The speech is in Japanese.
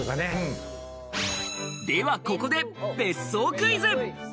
ではここで別荘クイズ。